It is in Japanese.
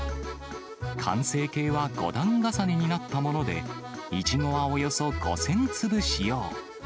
完成形は５段重ねになったもので、イチゴはおよそ５０００粒使用。